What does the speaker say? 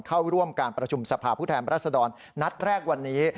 เข้าร่วมการประชุมสภาพผู้แทนรัศดรนัดแรกวันนี้